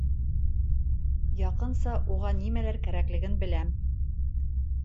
Яҡынса уға нимәләр кәрәклеген беләм.